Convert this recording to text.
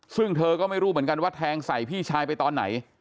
ซึ่งเธอก็ไม่รู้เหมือนกันว่าแทงใส่พี่ชายไปตอนไหน